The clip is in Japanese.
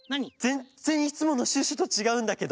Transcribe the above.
ぜんっぜんいつものシュッシュとちがうんだけど。